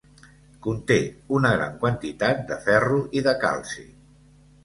Conté una gran quantitat de ferro i de calci.